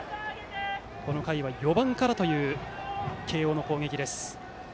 この回は４番からという慶応の攻撃です。